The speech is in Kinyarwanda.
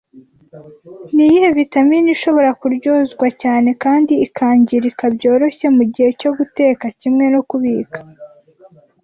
Niyihe vitamine ishobora kuryozwa cyane kandi ikangirika byoroshye mugihe cyo guteka kimwe no kubika